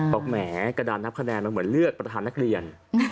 แหมกระดานนับคะแนนมันเหมือนเลือกประธานนักเรียน